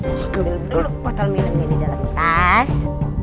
njus gue beli dulu botol minumnya di dalam tas